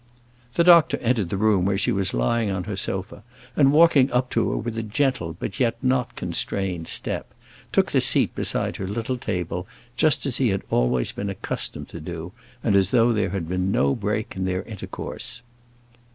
The doctor entered the room where she was lying on her sofa, and walking up to her with a gentle, but yet not constrained step, took the seat beside her little table, just as he had always been accustomed to do, and as though there had been no break in their intercourse.